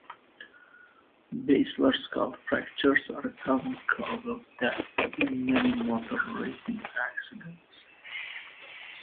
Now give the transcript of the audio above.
Basilar skull fractures are a common cause of death in many motor racing accidents.